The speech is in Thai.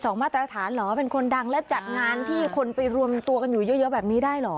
มาตรฐานเหรอเป็นคนดังและจัดงานที่คนไปรวมตัวกันอยู่เยอะแบบนี้ได้เหรอ